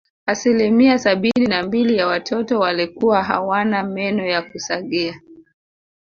Asilimia sabini na mbili ya watoto walikuwa hawana meno ya kusagia